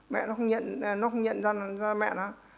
mẹ nó không nhận ra mẹ nó